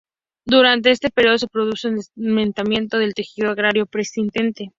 Durante este periodo se produce un desmantelamiento del tejido agrario preexistente.